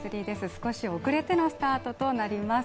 少し遅れてのスタートとなります。